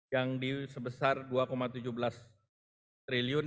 yang di sebesar rp dua tujuh belas triliun